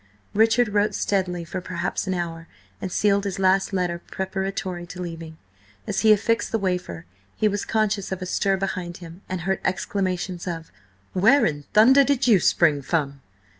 Richard wrote steadily for perhaps an hour, and sealed his last letter preparatory to leaving. As he affixed the wafer, he was conscious of a stir behind him, and heard exclamations of: "Where in thunder did you spring from?"